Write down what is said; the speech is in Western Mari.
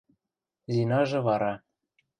Зинажы вара...